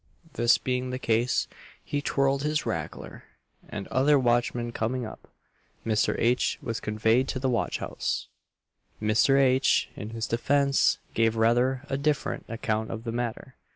This being the case, he "twirled his rackler," and other watchmen coming up, Mr. H. was conveyed to the watch house. [Illustration: PETTICOAT GOVERNMENT.] Mr. H., in his defence, gave rather a different account of the matter.